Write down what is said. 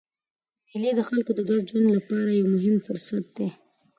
مېلې د خلکو د ګډ ژوند له پاره یو مهم فرصت دئ.